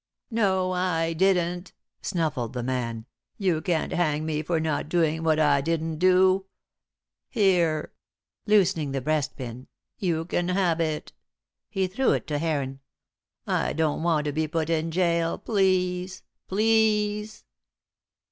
"No, I didn't," snuffled the man. "You can't hang me for not doing what I didn't do! Here!" loosening the breastpin, "you can have it." He threw it to Heron. "I don't want to be put in gaol, please please!"